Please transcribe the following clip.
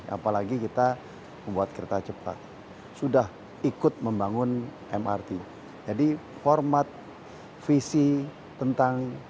apalagi kita membuat kereta cepat sudah ikut membangun mrt jadi format visi tentang